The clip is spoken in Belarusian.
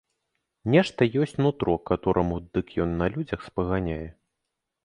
Нешта есць нутро катораму, дык ён на людзях спаганяе.